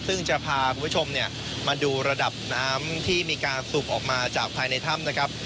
ซึ่งจะพาคุณผู้ชมมาดูระดับน้ำที่มีการสูบออกมาจากภายในถ้ำนะครับ